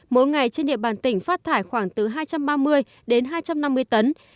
mỗi ngày trên địa bàn tỉnh phát thải khoảng từ hai trăm ba mươi đến hai trăm năm mươi tấn